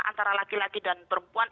antara laki laki dan perempuan